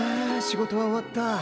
仕事は終わった。